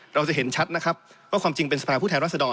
เราจะเห็นชัดนะครับว่าความจริงเป็นสภาพผู้แทนรัศดร